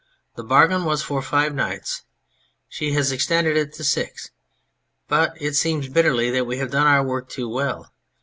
" The bargain was for five nights ; she has extended it to six. But it seems " bitterly "that we have done our work too well.